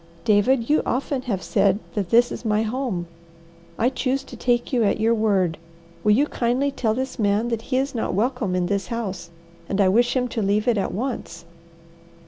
David, you often have said that this is my home. I choose to take you at your word. Will you kindly tell this man that he is not welcome in this house, and I wish him to leave it at once?"